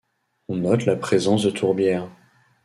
On note la présence de tourbières.